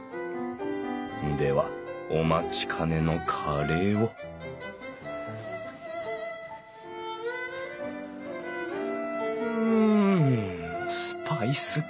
ではお待ちかねのカレーをうんスパイスきいてる！